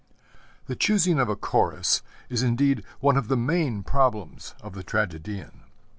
The choosing of a Chorus is indeed one of the main problems of the tragedian.